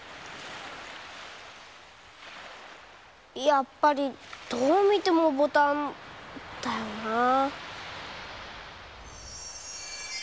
やっぱりどうみてもボタンだよなあ。